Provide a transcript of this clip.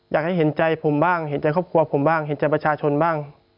เห็นใจผมบ้างเห็นใจครอบครัวผมบ้างเห็นใจประชาชนบ้าง